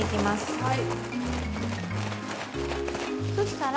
はい。